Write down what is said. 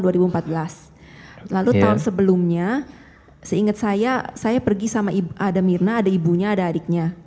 lalu tahun sebelumnya seingat saya saya pergi sama ada mirna ada ibunya ada adiknya